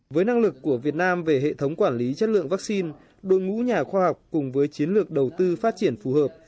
với năng lực của việt nam về hệ thống quản lý chất lượng vaccine đội ngũ nhà khoa học cùng với chiến lược đầu tư phát triển phù hợp